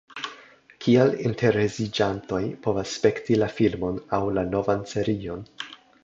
Kiel interesiĝantoj povas spekti la filmon aŭ la novan serion?